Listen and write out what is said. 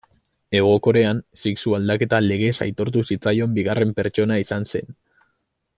Hego Korean sexu-aldaketa legez aitortu zitzaion bigarren pertsona izan zen.